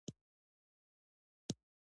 حیوانات له ځنګله خواړه اخلي.